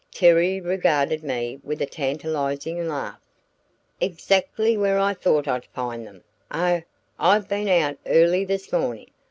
Terry regarded me with a tantalizing laugh. "Exactly where I thought I'd find them. Oh, I've been out early this morning!